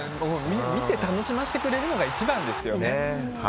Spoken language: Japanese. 見て楽しませてくれるのが一番ですよね。